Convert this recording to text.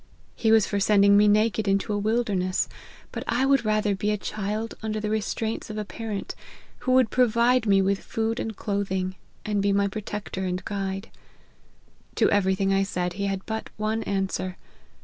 He was for sending me naked into a wilderness ; but I would rather be a child under the restraints of a parent, who would provide me with food and clothing, and be my protector and guide. To every thing I said, he had but one answer.